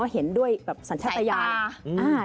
เห็นด้วยหัวสัญชาตยา